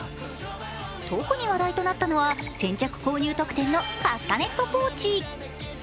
特に話題となったのは、先着購入特典のカスタネットポーチ。